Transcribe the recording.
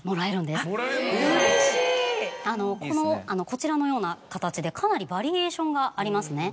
こちらのような形でかなりバリエーションがありますね。